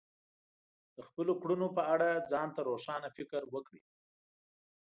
د خپلو کړنو په اړه ځان ته روښانه فکر وکړئ.